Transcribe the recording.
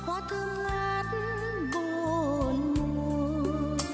hoa thơm ngát bồn muộn